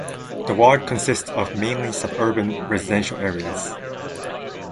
The ward consists of mainly suburban residential areas.